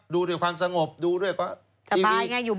ดูด้วยความสงบดูด้วยความทรงจัย